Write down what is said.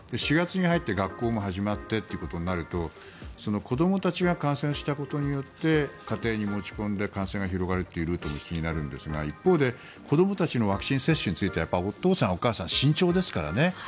４月に入って学校も始まってということになると子どもたちが感染したことによって家庭に持ち込んで感染が広がるというルートも気になるんですが一方で、子どもたちのワクチン接種についてはお父さん、お母さん慎重ですからね。